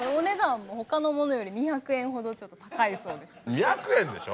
２００円でしょ？